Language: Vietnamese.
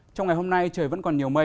trong ngày hôm nay trời vẫn còn nhiều mây